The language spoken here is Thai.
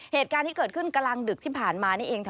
เหตุการณ์ที่เกิดขึ้นกลางดึกที่ผ่านมานี่เอง